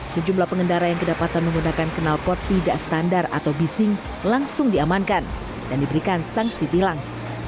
sejumlah pengendara yang kedapatan menggunakan kenalpot tidak standar atau bising langsung diamankan dan diberikan sanksi tilang